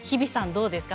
どうですか？